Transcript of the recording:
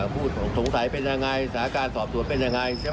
พูดสงสัยเป็นอย่างไรสถาการณ์สอบสวนเป็นอย่างไรใช่ไหม